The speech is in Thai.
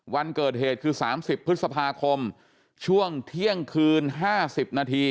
วันเกิดเหตุคือสามสิบพฤษภาคมช่วงเที่ยงคืนห้าสิบนาที